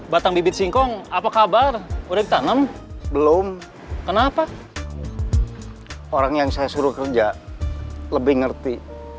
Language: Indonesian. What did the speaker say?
batang bibit singkong apa kabar udah ditanam belum kenapa orang yang saya suruh kerja lebih ngerti